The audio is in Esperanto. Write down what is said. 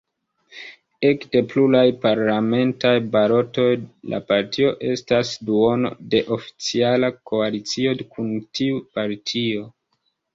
Ekde pluraj parlamentaj balotoj la partio estas duono de oficiala koalicio kun tiu partio.